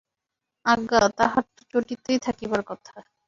আজ্ঞা, তাঁহার তো চটিতেই থাকিবার কথা।